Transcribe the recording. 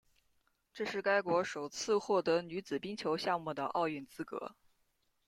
这是该国首次获得女子冰球项目的奥运资格。